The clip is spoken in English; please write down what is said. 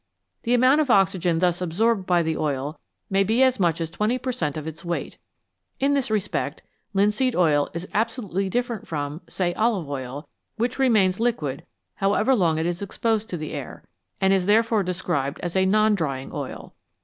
The amount of oxygen thus absorbed by the oil may be as much as twenty per cent, of its weight. In this respect linseed oil is abso lutely different from, say, olive oil, which remains liquid however long it is exposed to the air, and is therefore described as a " non drying " oil.